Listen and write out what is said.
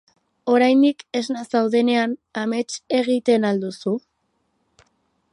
Oraindik esna zaudenean amets egiten al duzu?